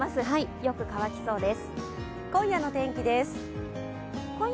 よく乾きそうです。